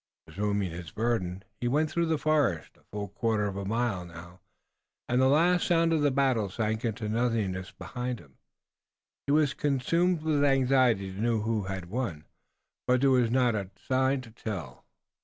Resuming his burden, he went on through the forest, a full quarter of a mile now, and the last sound of the battle sank into nothingness behind him. He was consumed with anxiety to know who had won, but there was not a sign to tell.